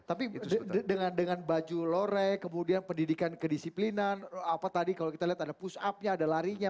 tapi dengan baju lore kemudian pendidikan kedisiplinan apa tadi kalau kita lihat ada push up nya ada larinya